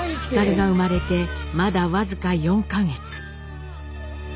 皓が生まれてまだ僅か４か月。